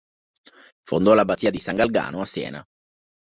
Fondò l'abbazia di San Galgano a Siena.